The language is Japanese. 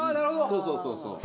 そうそうそうそう。